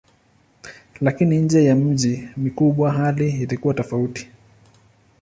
Lakini nje ya miji mikubwa hali ilikuwa tofauti.